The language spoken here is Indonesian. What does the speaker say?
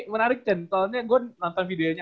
menarik dan soalnya gue nonton videonya